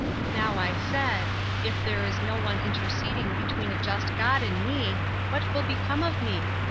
^ Now, I said, i: there is no one interceding between a just God and me, what will become of me